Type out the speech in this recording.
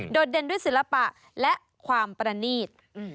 เด่นด้วยศิลปะและความประนีต